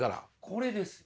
これです。